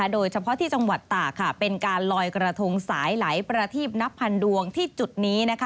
โดยเฉพาะที่จังหวัดตากเป็นการลอยกระทงสายไหลประทีบนับพันดวงที่จุดนี้